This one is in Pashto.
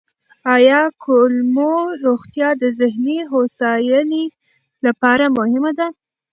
آیا کولمو روغتیا د ذهني هوساینې لپاره مهمه ده؟